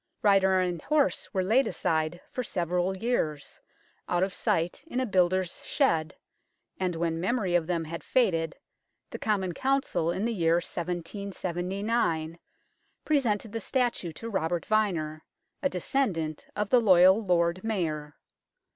Rider and horse were laid aside for several years, out of sight in a builder's shed, and when memory of them had faded, the Common Council, in the year 1779, presented the statue to Robert Vyner, a descendant of the loyal Lord Mayor.